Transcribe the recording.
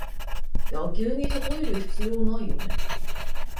野球にたとえる必要ないよね